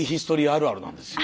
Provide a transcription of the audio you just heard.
あるあるなんですよ。